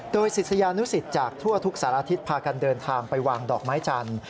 โดยศิษยานุสิตจากทั่วทุกสารทิศพากันเดินทางไปวางดอกไม้จันทร์